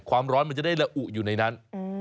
ความร้อนมันจะได้ระอุอยู่ในนั้น